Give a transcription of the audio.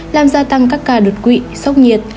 làm gia tăng các ca đột quỵ sốc nhiệt